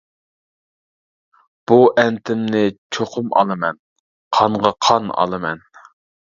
بۇ ئەنتىمنى چوقۇم ئالىمەن، قانغا قان ئالىمەن!